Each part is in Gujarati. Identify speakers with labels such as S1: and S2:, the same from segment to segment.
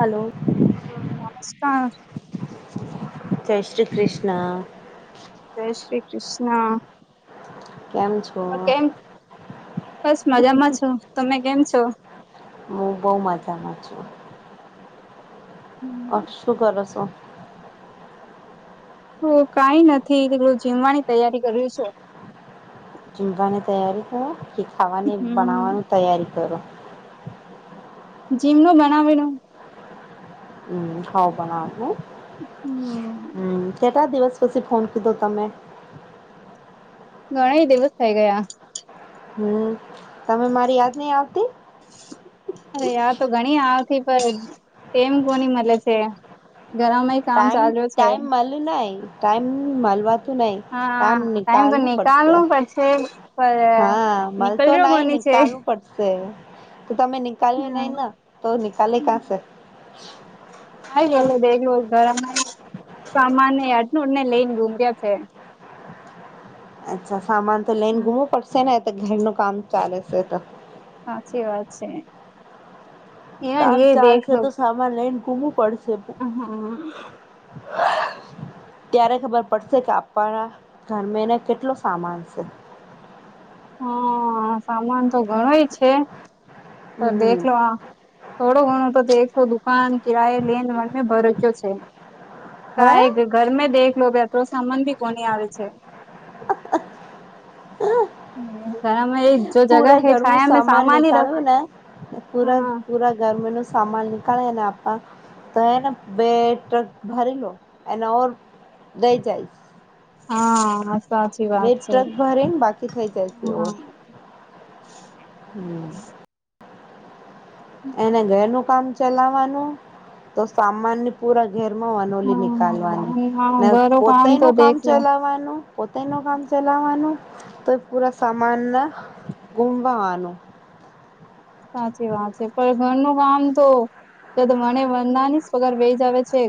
S1: હલો
S2: હમ નમસ્કાર
S1: [unintelligible] જય શ્રી કૃષ્ણ
S2: જય શ્રી કૃષ્ણા
S1: કેમ છો
S2: હું કેમ બસ મજામાં છો તમે કેમ છો
S1: હું બહુ મજામાં છું
S2: હમ
S1: [unintelligible] શું કર છો
S2: હુ કાંઇ નથી એટલું જીમવાની તૈયારી કરુ છું
S1: ચીમવાની તૈયારી કરો કે ખાવાને બનાવવાનું તૈયારી કરો
S2: જીમનું બનાવેનું
S1: હમ ખાવ બના હ હ
S2: હમ
S1: કેટલા દિવસ પછી ફોન કીધો તમે
S2: ઘણી દિવસ થાય ગયા
S1: હમ તમે મારી યાદ નઈ આવતી
S2: અરે આ તો ગણી આવતી પર એમ કોની મળે છે ગરમાંય કામ
S1: ટાઈમ
S2: ચાલ્યું છે
S1: [unintelligible] ટાઈમ માલવા ન આમ
S2: હા ટાઈમ તો
S1: નકાલવું પડશે
S2: નિકાલનો પડશે પણ
S1: હા મ તો
S2: નીકળ્યો
S1: નાઈ
S2: કોની છે
S1: િકાલવ પડશે તો તમે નિકાલ્યું
S2: હા
S1: નહી ના તો નિકલે કાંસે
S2: હ એલા દેગલું ગરમ [inaudible] સામાન આટનું ને લઈને ગુમર્યા છે
S1: અચ્છા સામાન તો લઈને
S2: હમ
S1: ગુમવું પડશે ને તો ઘરનું કામ ચાલે છે તો
S2: સાચી વાત
S1: કામ
S2: છે
S1: ચાલશે તો
S2: [unintelligible]
S1: સામાન લઇને ઘુમપડશે
S2: હ હા
S1: હ [unintelligible] ત્યારે ખબર પડશે કે આપણા ઘરમે એને કેટલો સામાન છે
S2: હા સામાન તો ઘણોય છે પણ
S1: હમ
S2: દેખલો થોડો ઘણો તો તે એકસો દુકાન કિરાય લેન વન ભરોચ્યો છે
S1: હે
S2: ક ઘરમે દેખલો લો બે તો સામાન ભી કોન આવે છે [unintelligible] જો જગહ હૈ છાયા મેં સામાન રખ
S1: હ પૂરા
S2: હા
S1: પૂરા ઘર મનુષ્ સામાન નીકળેને આપવા તો એને બે ટ્રક ભરી લો એને ઓર દઈ જાયશ
S2: હા સાચી
S1: બે
S2: વાત છે
S1: ટ્રક ભરીને બાકી થઈ જશે
S2: હ
S1: ઓર હમ એને ઘર નું કામ ચલાવવાનું તો સામાનની પૂરક ઘર માં વનોલી નનીકાલવાની
S2: હા
S1: ને
S2: ઘરું
S1: પોતાય
S2: તો
S1: નુ કામ
S2: દેખલો
S1: ચલાવવાનું પોતે નુ કામ ચલાવાનું તો પૂરા સામાન ના ગુમવાનું.
S2: સાચી વાત છે પણ ઘરનું કામ તો તો તો વણે વંદાની પગર વહી જ આવે છે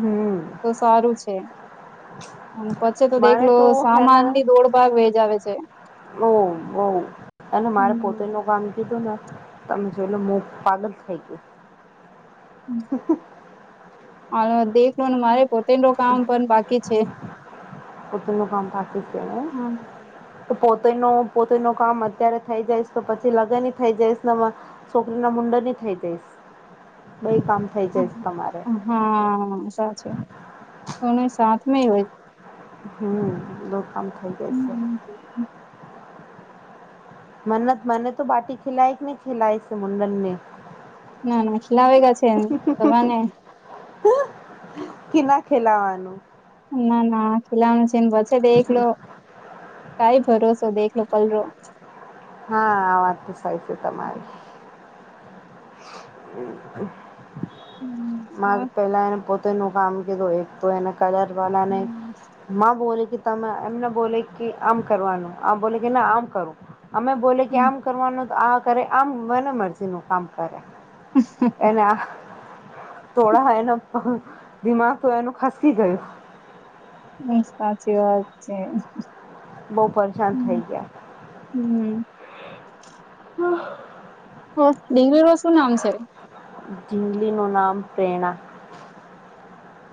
S1: હમ
S2: તો સારું છે. અને પછી તો
S1: મારે
S2: દેખલો
S1: તો
S2: સામાન બી દોડ ભાગ વેજ આવે છે.
S1: ઓ બહુ અને મારે
S2: હમ્મ.
S1: પોતેનું કામ. કીધું ને તમે જો એલો મો પાગલ થઈ ગયું.
S2: હ દેખ લો મારે પોતેનું કામ પણ બાકી છે.
S1: પતનું કામ પાકી છેને.
S2: હમ.
S1: તો પોતે નુ પોતે નુ કામ અત્યારે થઈ જઈશ તો પછી લગન થઈ જઈશ. છોકરી ના મુંડનની થઈ દઈશ બઈ કામ થઈ જઈશ તમારે
S2: હા સાચું કોનો ય સાથમ હોય.
S1: હ દ કામ થઈ જાય છે. મન્નત મને તો બાટી ખલાઈ કે ન ખલાય મુન્ડનને.
S2: ના ના ખલાવે ગયા છે તો મને.
S1: કે ખેલા ખેલાવાનું.
S2: ના ના ખિલામ છેન બછે દેખલો. કઈ ભરોસો દેખલો પલરો.
S1: હા આ વાત તો સઈ છે તમારી.
S2: હમ
S1: મા પેલા એને પોતેનું કામ કીધું એક. તો એના કલર વાલાને મામાં બોલે કે તમે એમને બોલે કે આમ કરવાનું આમ બોલે કે ના આમ કરું. અમે બોલે કે આમ કરવાનું તો આ કરે આમ મને મરજી ન કામ કરે. એના થોડા એનો દિમાગ તો એનું ખસકી ગયું.
S2: હમ સાચી વાત છે.
S1: બહુ પરેશાન થઈ
S2: હમ્મ.
S1: ગયા.
S2: હો ડિગરી નુ શું નામ છે.
S1: ઝિગલીનું નામ પ્રેરણા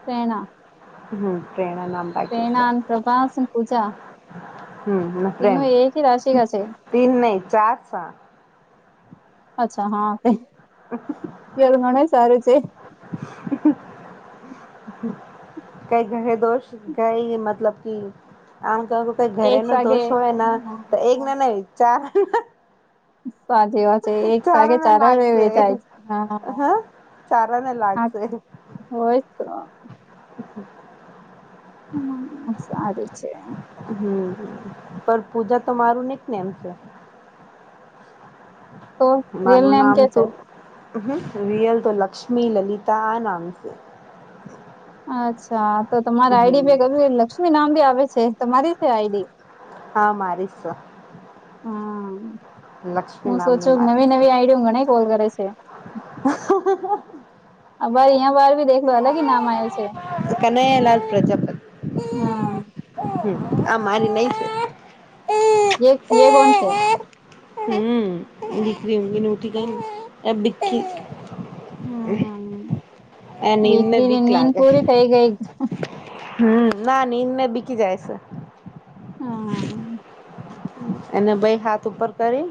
S2: પ્રેરણા.
S1: હમ પ્રેણા નામ. રાખ્યું છે
S2: પ્રેરણા, ન પ્રભાસ, પૂજા.
S1: હમ પ્રેમ
S2: તેનું એક જ રાશિકા છે
S1: તીન નહી ચાર સા.
S2: અચ્છા હા ફલ ઘણું સારું છે.
S1: હ. કઈ ઘરે દોસ્ત ગઈ મતલબ કે આમ કરુ. ઘરે
S2: એક
S1: નુ
S2: વાગે
S1: દોષ હોય ના તો એક ને નઇ વિ ચાર.
S2: સાચી વાત. એક સાગે
S1: ચારોને
S2: ચાર રહ્યો
S1: લાગશે
S2: એ થાય હ હા.
S1: હ ચારોને લાગશે
S2: હોય તો.
S1: [inaudible]
S2: હમ સારું છે.
S1: હમ પણ પૂજા તો મારું નહ ને એમ છે.
S2: તો
S1: માર
S2: રિયલ નેમ
S1: નામ
S2: કે
S1: તો
S2: છે
S1: હ રિયલ તો લક્ષ્મી લલિતા આ નામ છે.
S2: અચ્છા તો તમારે આઈડી
S1: હમ
S2: ભ ક લક્ષ્મી નામ ભી આવે છે તમારી છે આઈડી.
S1: હા મારીશ.
S2: હા.
S1: લક્ષ્મી
S2: હું
S1: નામની
S2: સોચું
S1: મારી
S2: નવી
S1: સ
S2: નવી આઈડી હ ઘણી કોલ કરે છે. અ ભાઈ અહિયાં બાર ભી દેખલો અલગી નામ આવ્યું છે.
S1: કનયાલાાલ પ્રજાપતિ.
S2: હા.
S1: હ આ મારી નહ છે.
S2: એ કોણ છે.
S1: હમિક ઉટીક એ બ
S2: હું
S1: નીંદ
S2: બક
S1: મે
S2: દીન
S1: બીક
S2: નન
S1: લાગે
S2: કુરી ત એઈગ એકગ
S1: હમ ના નીંદ ને બીકી જાય છે.
S2: હા, હા
S1: એને બેઈ હાથ ઉપર કરી,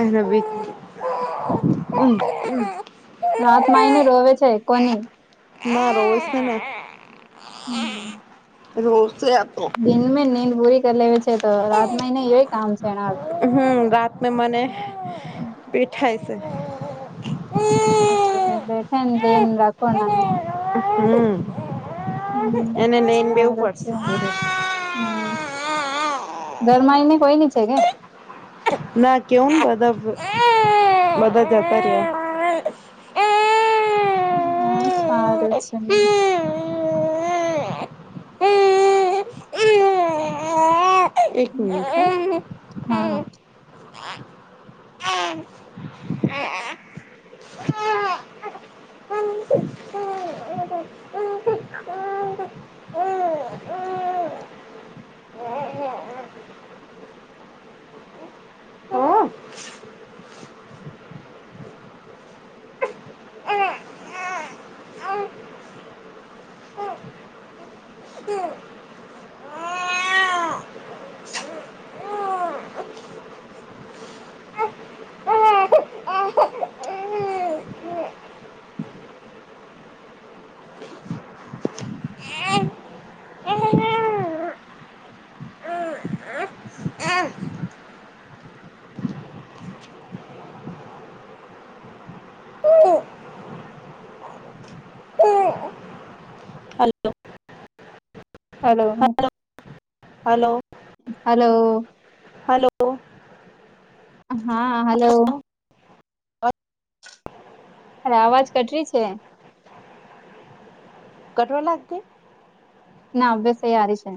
S1: એનો બી હ
S2: રાત માય ને રોવે છે, કોની
S1: ના રોસ
S2: હું.
S1: રોસયા હતો.
S2: દિન નનીંદ પૂરી કરી લેવી છે, તો રાત માં એને એયોય કામ છે. એના
S1: હું રાતને મને પીઠાય છે.
S2: સાચવીને બેઠા ને જઈ ને રાખો, નાને
S1: હું એને નન બેેવું પડશે.
S2: હું ઘરમાં એને કોઈની છે, કે
S1: ના કેવ બધા બધા જતા રહે. આ એ
S2: હા સારું છે. ને
S1: એક મિનિટ હોને,
S2: હા
S1: ઓ હલ્લો
S2: હાલો.
S1: હાલો, હાલો.
S2: હા, હલો. અરે આવાજ કટરી છે.
S1: કટવા લાગતી
S2: ના અભ્યાસયારી છે.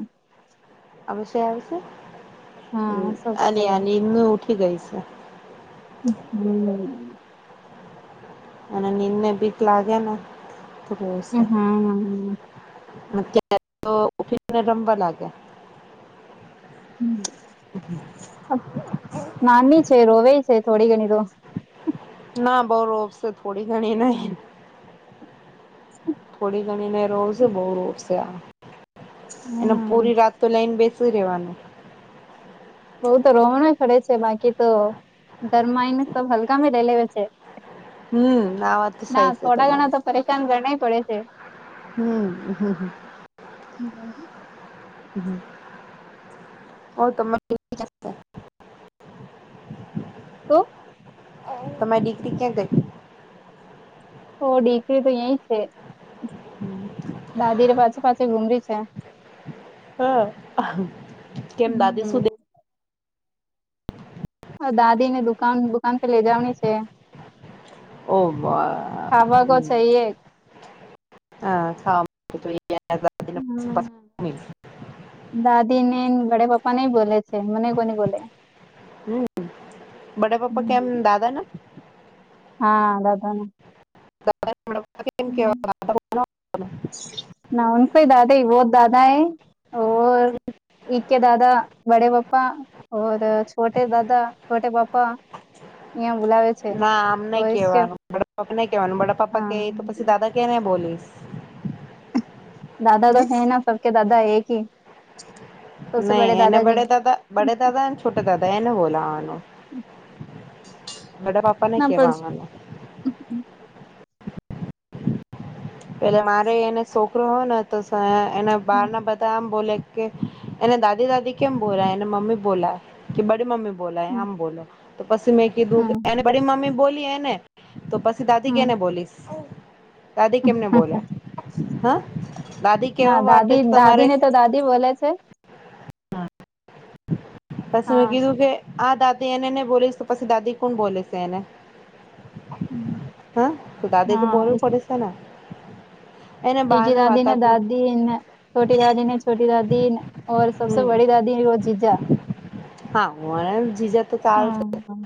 S1: અશે આવશે
S2: હા સબ
S1: અને
S2: તૈયાર
S1: આની ઉઠી ગઈ છે.
S2: હું.
S1: અને નીંદને બીક લાગે ને થોશે.
S2: હમ
S1: અત્યારે તો ઉભીને રમવા લાગે.
S2: નાની છે, રોવે છે, થોડી ઘણી તો
S1: ના બઉ રોપશે થોડી ઘણી નહીં. થોડી ઘણી રોડશે બહુ રોડશે આ એનો
S2: હમ
S1: પૂરી રાત તો લઇનને બેસી રહેવાનું.
S2: બઉ તો રોહણ કરે છે, બાકી તો ગરમાં એને સબ હલકા મે રલ વ છે.
S1: હું આ વાત તો સઈ છે, તમારે
S2: નકાન જણ પડે છે.
S1: હું, હું, હ
S2: હું.
S1: હું, હો તો
S2: તો
S1: તો મેં ડિગ્રી ક્યાં ગઈ.
S2: ઓ દીકરી તો અયાં છે, [inaudible] દાદીને પાછી પાછી ગુમરી છે.
S1: હા કેમ દાદી સુધી
S2: હમ દાદી ને દુકાન દુકાન પેલા જવાની છે. ખાવા કો ચઈએ
S1: ઓ બા
S2: હમ
S1: હા.
S2: દાદી ને ઘડે પપ્પા નેઈ બોલે છે મને કોની બોલે
S1: બડે પપ્પા કેમ દાદા ને
S2: હા દાદાના
S1: મ કેવા
S2: નાકો દાદા બહ દાદા હૈ ઓ એકે દાદા બડે પાપા ઓર છોટે દાદા છોટે પાપા અ્યાં બુલાવે છે
S1: ના આમ નઈ કેવાનું બપા નાઈ કેવાનું બડાપ્પા ક તો પછી દાદા કેને બોલીશ
S2: દાદા તો
S1: હમ
S2: હૈ ના સબ કે દાદા એક હી
S1: નહી એને પડે તો બડે દાદ અને છોટા દાદ એને બોલપ
S2: ના બસ
S1: પેલે મારે એને છોકરો હોય ને તો એના બાર ના બધા આમ. બોલે કે એને દાદી દાદી કેમ બોલા એને મમ્મી બોલા કે બડી મમ્મી બોલા આમ બોલો તો પસીમે ક ધૂખ બ મમી બોલી એ ને તો પછી દાદી
S2: હમ
S1: કેને બોલીશ દાદી કેમને બોલ્યા હા દાદી
S2: ના
S1: કેવા વાટે
S2: દાદી
S1: તો
S2: દાદી
S1: તમારે
S2: ને તો દાદી બોલે છે. હા
S1: પછી મેં કીધું કે આ દાદી એને નહી બોલીશ તો પછી દાદી કોણ બોલે છે એને. હા તો તાદ તો બરો પડે છેના.
S2: એકી દાદી ને દાદી ને છોટી દાદી ને છોટી દાદીને - ઓર સબસે
S1: હમ
S2: બડી દાદી ર જીજા
S1: હા હું જીજા તો ચાલશે
S2: હમ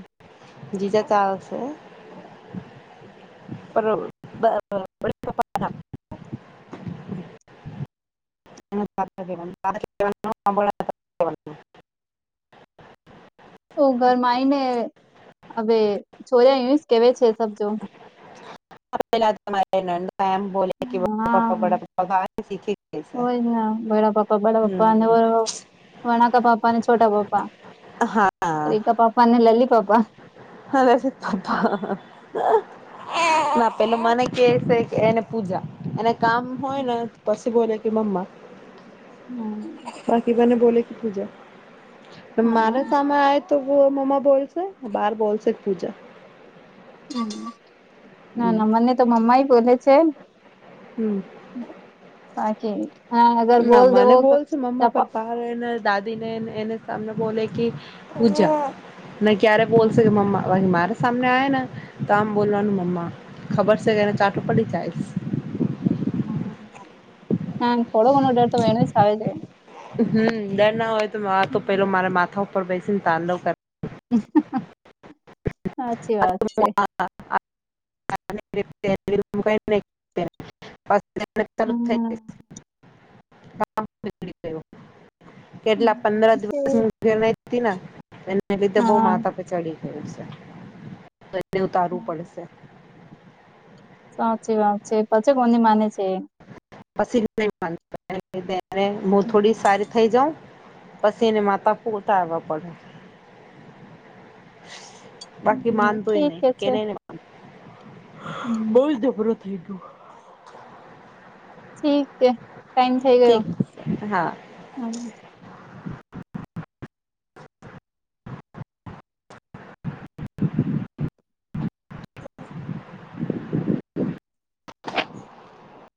S1: જીજા ચાલશે બરાબર [unintelligible] હ
S2: ઓ ઘરમાં આવીઈ ને હવે છોર સ કેવા છે સબજો
S1: પેલા તમારેમ બોલે્યા કે પાપા
S2: હા
S1: બડા પાપા તોાર સીખે ગયા
S2: હોય ને
S1: હમ
S2: વણાકા પાપા અને છોટા પાપા
S1: હા
S2: રિકા પાપા અને લલી પાપા
S1: હરે છે તપા ના પેલું મને કે છે કે એને પૂજા એને કામ હોય ને પછી બોલે કે મમ્મા
S2: હમ.
S1: રાકીબાને બોલે કે પૂજા મારા સામે આ તો મ્મા બોલસે બાર બોલસે એક પૂજા
S2: હમ ના
S1: હમ
S2: ના મને તો મમ્માય બોલે છે.
S1: હમ.
S2: બાકી હા અગર બોલ દેવો
S1: મા એ દાદી ને એને સામને બોલે કે પૂજા ના ક્યારે બોલશે
S2: હમ
S1: મ વા મારે સામને આવે ને તો આમ બોલવાનું મમ્મા ખબર છે કે એને ચાટું પડી જાયશ
S2: હ હા થોડો ઘણો ડર તો એને જ આવે છે
S1: હમ ડર ના હોય તો તો પેલો મારા માથા ઉપર બેસીને તાંડવ કરે
S2: સાચી વાત છે
S1: ાલ થ
S2: હમ
S1: જ કેટલા પંદર દિવસ ઘેર હતી ને એને લીધે બહ
S2: હા
S1: માથ પે ચડી ગયું છે તો એને ઉતારવું પડશે
S2: સાચી વાત છે પછી કોની માને છે?
S1: પછી હું થોડી
S2: હમ.
S1: સારી થઈ જાઉં પછી એને માતા પૂટા આવવા પડે. બાકી માન
S2: હમ
S1: તો
S2: ઠીક
S1: એને
S2: છે
S1: કેનેને
S2: હમ.
S1: બ જ દપરા થઈ ગયું.
S2: ઠીક છે ટાઈમ થઈ ગયો
S1: ઠીક છે હા.
S2: હ
S1: [inaudible]